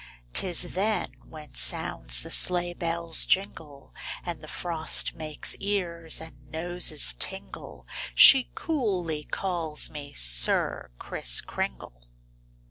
'Tis then when sounds the sleigh bell's jingle And the frost makes ears and noses tingle, She coolly calls me 'Sir Kriss Kringle.